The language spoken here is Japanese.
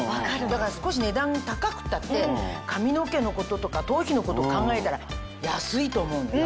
だから少し値段高くたって髪の毛のこととか頭皮のこと考えたら安いと思うのよ。